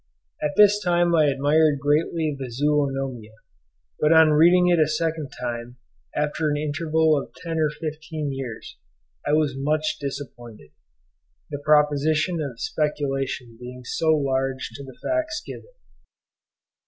At this time I admired greatly the 'Zoonomia;' but on reading it a second time after an interval of ten or fifteen years, I was much disappointed; the proportion of speculation being so large to the facts given.